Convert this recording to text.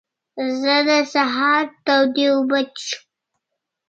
زه د سهار تودې اوبه څښم.